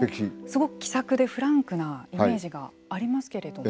すごい気さくでフランクなイメージがありますけれども。